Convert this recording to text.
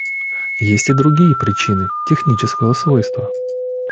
Есть и другие причины − технического свойства.